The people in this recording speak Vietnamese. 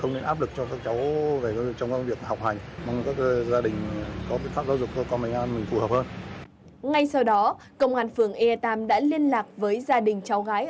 ngay sau đó công an phường ea tam đã liên lạc với gia đình cháu gái